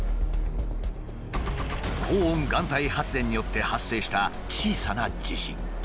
高温岩体発電によって発生した小さな地震。